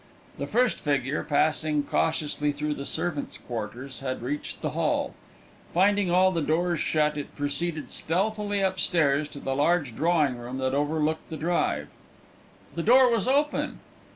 The first figure, passing cautiously through the servants' quarters, had reached the hall. Finding all the doors shut, it proceeded stealthily upstairs to the large drawing room that overlooked the drive. The door was open!